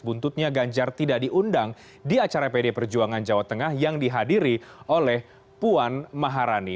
buntutnya ganjar tidak diundang di acara pd perjuangan jawa tengah yang dihadiri oleh puan maharani